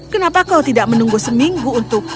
kenapa kau tidak menunggu seminggu untuk